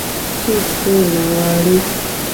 څوک سوله غواړي.